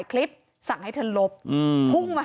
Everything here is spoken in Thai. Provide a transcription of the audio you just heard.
กังฟูเปล่าใหญ่มา